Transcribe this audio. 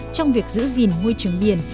trong việc giữ gìn môi trường biển